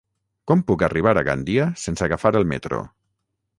Com puc arribar a Gandia sense agafar el metro?